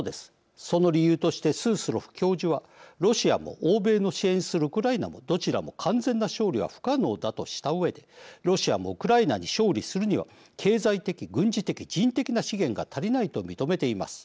その理由としてスースロフ教授は「ロシアも欧米の支援するウクライナもどちらも完全な勝利は不可能だ」とした上で「ロシアもウクライナに勝利するには経済的軍事的人的な資源が足りない」と認めています。